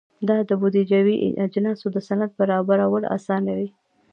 دا د بودیجوي اجناسو د سند برابرول اسانوي.